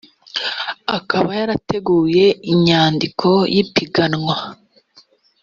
akaba yarateguye inyandiko y ipiganwa